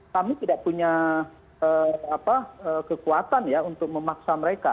kami tidak punya kekuatan ya untuk memaksa mereka